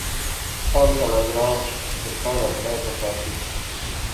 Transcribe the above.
کھان ساڑھا گراں تے کھان ہوٹلے اوپر کافی